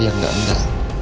yang gak enggak